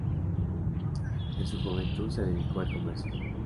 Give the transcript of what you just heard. En su juventud se dedicó al comercio.